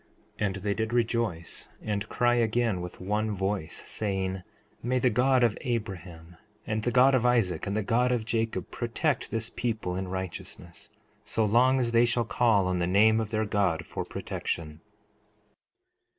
4:30 And they did rejoice and cry again with one voice, saying: May the God of Abraham, and the God of Isaac, and the God of Jacob, protect this people in righteousness, so long as they shall call on the name of their God for protection.